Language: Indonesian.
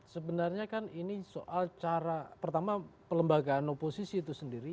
sebenarnya kan ini soal cara pertama pelembagaan oposisi itu sendiri